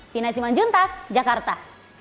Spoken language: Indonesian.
pina simanjuntak jakarta